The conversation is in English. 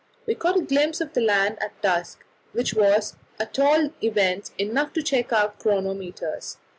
We caught a glimpse of the land at dusk, which was, at all events, enough to check our chronometers.